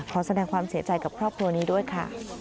ขอแสดงความเสียใจกับครอบครัวนี้ด้วยค่ะ